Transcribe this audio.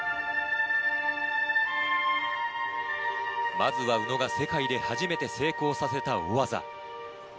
まずは宇野が世界で初めて成功させた大技。